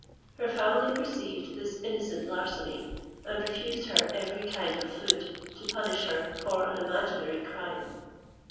Her family perceived this innocent larceny, and refused her every kind of food, to punish her for an imaginary crime.